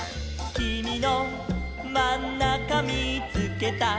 「きみのまんなかみーつけた」